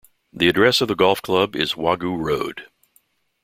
The address of the golf club is Wagoo Road.